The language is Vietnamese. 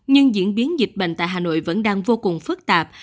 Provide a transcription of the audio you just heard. nhưng diễn biến dịch bệnh tại hà nội vẫn đang vô cùng phức tạp